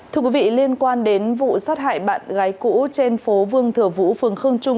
thưa quý vị liên quan đến vụ sát hại bạn gái cũ trên phố vương thừa vũ phường khương trung